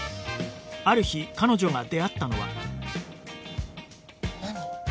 ある日彼女が出会ったのは何！？